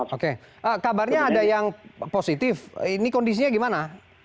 oke kabarnya ada yang positif ini kondisinya gimana